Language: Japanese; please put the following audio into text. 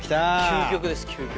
究極です究極。